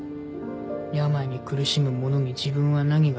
病に苦しむ者に自分は何ができるか。